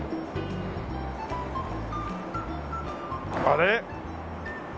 あれ？